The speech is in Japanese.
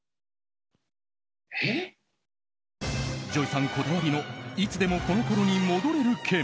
ＪＯＹさんこだわりのいつでもこの頃に戻れる券。